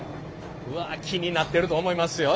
うわ気になってると思いますよ